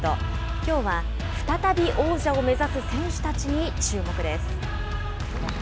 きょうは再び王者を目指す選手たちに注目です。